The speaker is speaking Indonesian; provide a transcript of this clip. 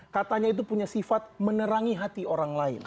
katanya itu punya sifat menerangi hati orang lain